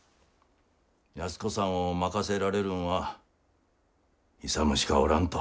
安子さんを任せられるんは勇しかおらんと。